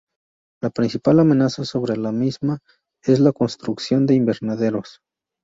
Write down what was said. La principal amenaza sobre la misma es la construcción de invernaderos.